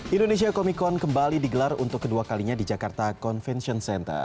indonesia comic con kembali digelar untuk kedua kalinya di jakarta convention center